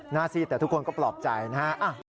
หน้าซีดแต่ทุกคนก็ปลอบใจนะฮะ